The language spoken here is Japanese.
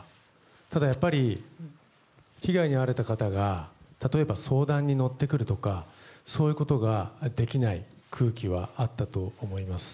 ただ、やっぱり被害に遭われた方が例えば、相談に乗ってくるとかそういうことができない空気はあったと思います。